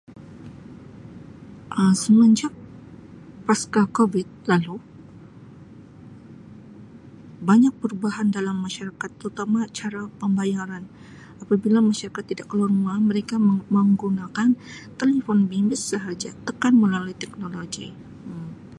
Um Semenjak pasca Covid lalu banyak perubahan dalam masyarakat terutama cara pembayaran apabila masyarakat tidak keluar rumah mereka meng-menggunakan telefon bimbit sahaja tekan melalui teknologi Um.